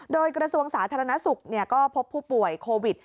โดยกระทรวงสาธารณสุขก็พบผู้ป่วยโควิด